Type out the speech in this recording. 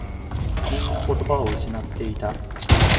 みんな言葉を失っていた。